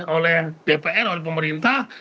oleh dpr oleh pemerintah